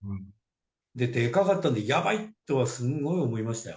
で、でかかったんで、やばいとはすごい思いましたよ。